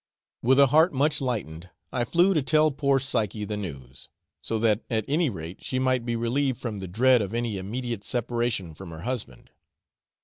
With a heart much lightened I flew to tell poor Psyche the news, so that at any rate she might be relieved from the dread of any immediate separation from her husband.